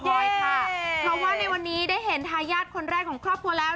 เพราะว่าในวันนี้ได้เห็นทายาทคนแรกของครอบครัวแล้ว